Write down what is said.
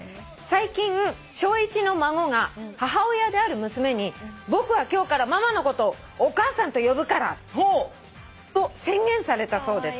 「最近小１の孫が母親である娘に『僕は今日からママのことお母さんと呼ぶから』と宣言されたそうです。